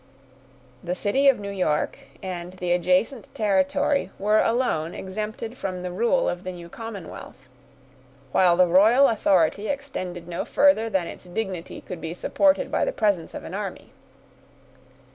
The city of New York and the adjacent territory were alone exempted from the rule of the new commonwealth; while the royal authority extended no further than its dignity could be supported by the presence of an army.